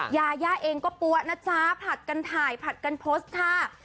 ยาย่าเองก็ปั๊วนะจ๊ะผัดกันถ่ายผลัดกันโพสต์ท่า